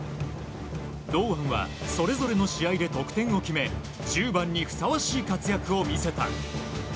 堂安はそれぞれの試合で得点を決め１０番にふさわしい活躍を見せた。